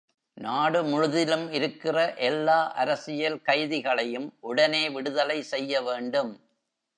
நாடு முழுதிலும் இருக்கிற எல்லா அரசியல் கைதிகளையும் உடனே விடுதலை செய்யவேண்டும்.